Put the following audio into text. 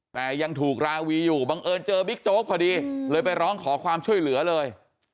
แต่ยังถูกราวีอยู่บังเอิญเจอบิ๊กโจ๊กพอดีเลยไปร้องขอความช่วยเหลือเลย